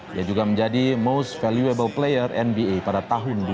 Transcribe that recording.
dia juga menjadi most valuable player nba pada tahun dua ribu dua